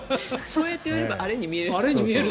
そうやって言われればあれ？に見える。